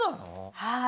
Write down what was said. はい。